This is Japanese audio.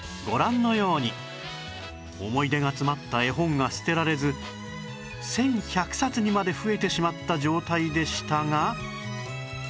ご覧のように思い出が詰まった絵本が捨てられず１１００冊にまで増えてしまった状態でしたが